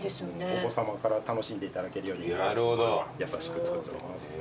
お子さまから楽しんでいただけるように優しく作っております。